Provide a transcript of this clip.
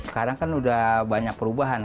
sekarang kan udah banyak perubahan